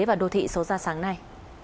và đô thị số ra sáng nay